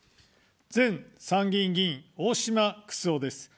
前参議院議員、大島九州男です。